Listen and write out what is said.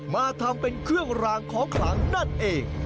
มาทำเป็นเครื่องรางของขลังนั่นเอง